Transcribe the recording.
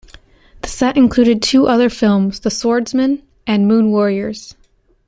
The set included two other films: "The Swordsman" and "Moon Warriors".